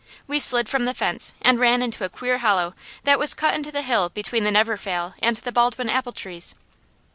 We slid from the fence and ran into a queer hollow that was cut into the hill between the never fail and the Baldwin apple trees.